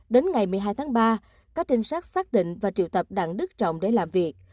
đến ngày một mươi hai tháng ba các trinh sát xác định và triệu tập đặng đức trọng để làm việc